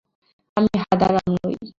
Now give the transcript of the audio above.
আমি হাঁদারাম নই।